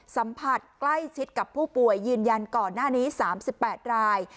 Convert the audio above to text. สัมผัสใกล้ชิดกับผู้ป่วยยืนยันก่อนหน้านี้๓๘ราย